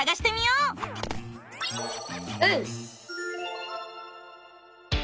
うん！